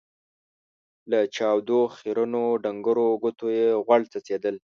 له چاودو، خيرنو ، ډنګرو ګوتو يې غوړ څڅېدل.